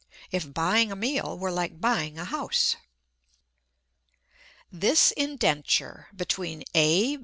IF BUYING A MEAL WERE LIKE BUYING A HOUSE This Indenture between A.